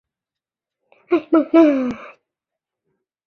核合成的理论通过同位素丰度的计算和观测的丰度比对来验证。